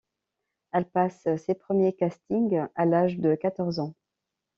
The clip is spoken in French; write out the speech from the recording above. Elle passe ses premiers castings à l'âge de quatorze ans.